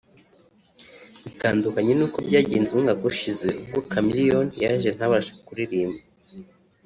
Bitandukanye n’uko byagenze umwaka ushize ubwo Chameleone yaje ntabashe kuririmba